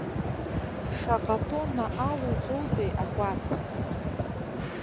Шаҟа тонна алоуҵозеи акәац?